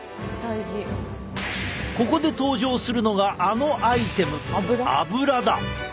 ここで登場するのがあのアイテム